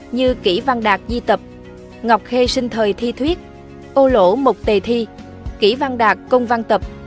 như kỷ văn đạt di tập ngọc khê sinh thời thi thuyết ô lỗ mục tề thi kỷ văn đạt công văn tập